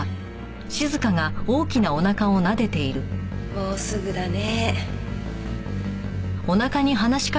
もうすぐだね。